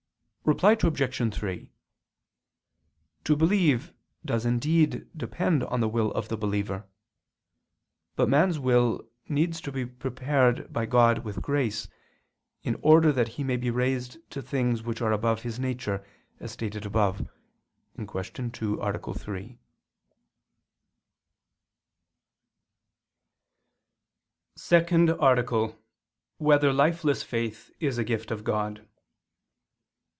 Reply Obj. 3: To believe does indeed depend on the will of the believer: but man's will needs to be prepared by God with grace, in order that he may be raised to things which are above his nature, as stated above (Q. 2, A. 3). _______________________ SECOND ARTICLE [II II, Q. 6, Art. 2] Whether Lifeless Faith Is a Gift of God?